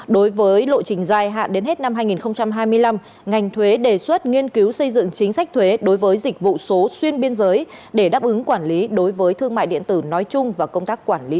đối với lộ trình dài hạn đến hết năm hai nghìn hai mươi năm ngành thuế đề xuất nghiên cứu xây dựng chính sách thuế đối với dịch vụ số xuyên biên giới để đáp ứng quản lý đối với thương mại điện tử nói chung và công tác quản lý